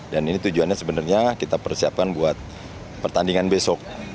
dan ini tujuannya sebenarnya kita persiapkan buat pertandingan besok